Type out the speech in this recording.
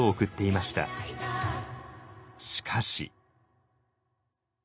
しかし。